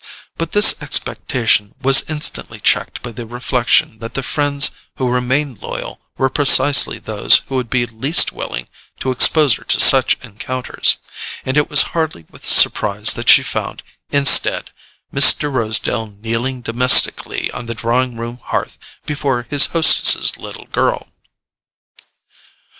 But this expectation was instantly checked by the reflection that the friends who remained loyal were precisely those who would be least willing to expose her to such encounters; and it was hardly with surprise that she found, instead, Mr. Rosedale kneeling domestically on the drawing room hearth before his hostess's little girl.